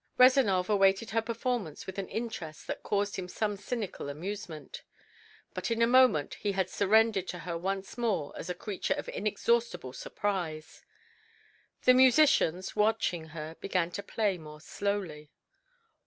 Rezanov awaited her performance with an interest that caused him some cynical amusement. But in a moment he had surrendered to her once more as a creature of inexhaustible surprise. The musicians, watching her, began to play more slowly.